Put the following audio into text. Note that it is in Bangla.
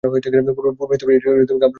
পূর্বে এটি কামরুপ রাজ্যের অধীন ছিল।